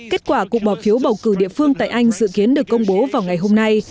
kết quả cuộc bỏ phiếu bầu cử địa phương tại anh dự kiến được công bố vào ngày hôm nay